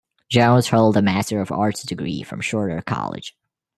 Jones held a master of arts degree from Shorter College.